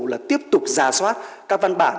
là tiếp tục giả soát các văn bản